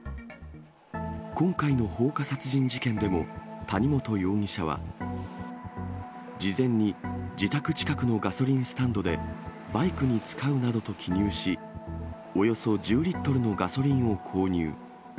今回の放火殺人事件でも、谷本容疑者は、事前に自宅近くのガソリンスタンドで、バイクに使うなどと記入し、およそ１０リットルのガソリンを購入。